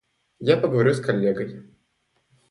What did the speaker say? Я поговорю с коллегой.